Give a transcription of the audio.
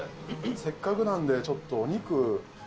せっかくなんでちょっとお肉。